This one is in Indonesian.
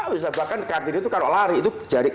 bahkan kart ini itu kalau lari itu jarik